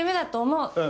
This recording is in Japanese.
うん。